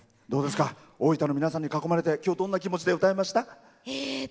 大分の皆さんに囲まれて今日どんな気持ちで歌いました？